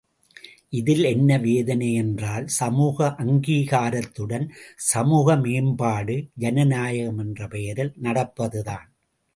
இதில் என்ன வேதனை என்றால் சமூக அங்கீகாரத்துடன் சமூக மேம்பாடு, ஜனநாயகம் என்ற பெயரில் நடப்பது தான்.